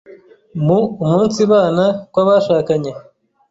mu umunsibana kw’abashakanye,